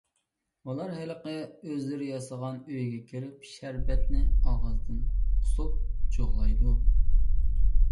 ئۇلار ھېلىقى ئۆزلىرى ياسىغان ئۆيىگە كىرىپ، شەربەتنى ئاغزىدىن قۇسۇپ جۇغلايدۇ.